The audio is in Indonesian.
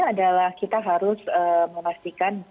adalah kita harus memastikan